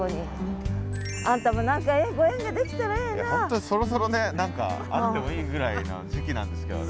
本当にそろそろね何かあってもいいぐらいな時期なんですけどね